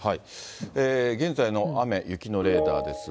現在の雨、雪のレーダーですが。